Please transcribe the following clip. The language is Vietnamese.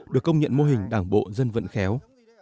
được công nhận mô hình đảng bộ dân vận khéo